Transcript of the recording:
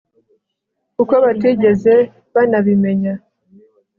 kuko batigeze banabimenya